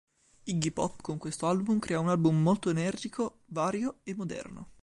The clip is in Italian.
Iggy Pop con questo album crea un album molto energico, vario e moderno.